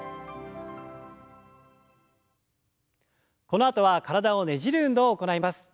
このあとは体をねじる運動を行います。